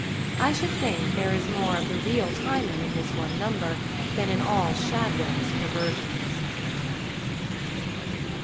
I should think there is more of the real Timon in this one number than in all Shadwell's perversions.